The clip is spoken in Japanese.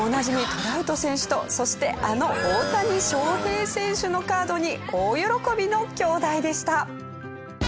トラウト選手とそしてあの大谷翔平選手のカードに大喜びの兄弟でした。